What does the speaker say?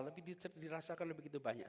tapi dirasakan lebih banyak